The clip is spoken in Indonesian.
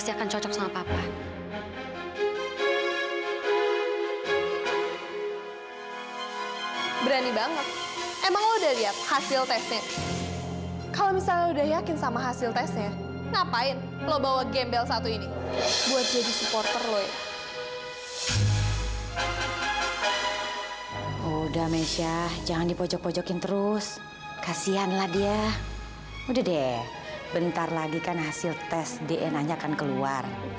sampai jumpa di video selanjutnya